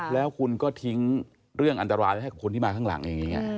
แล้วคุณก็ทิ้งเรื่องอันตรายให้กับคนที่มาข้างหลังอย่างนี้